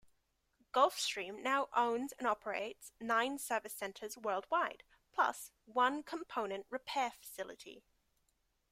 Gulfstream now owns and operates nine service centers worldwide, plus one component repair facility.